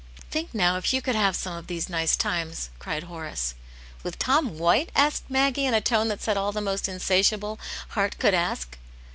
"Think now, if you could have some of these nice times!'* cried Horace. "With Tom White ?" asked Maggie, in a tone that said all the mo3t insatiable heart could ask.